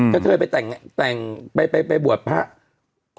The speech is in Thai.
กะเทยไปแต่งไปบวชผัก